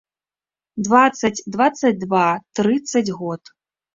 Дваццаць, дваццаць два, трыццаць год.